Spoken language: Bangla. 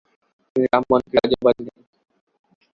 তিনি রামমোহনকে রাজা উপাধি দেন।